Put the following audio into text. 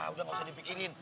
udah gak usah dipikirin